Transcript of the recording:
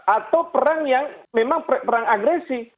atau perang yang memang perang agresi